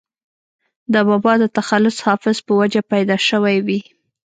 دَبابا دَ تخلص “حافظ ” پۀ وجه پېدا شوې وي